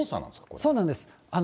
そうなんです。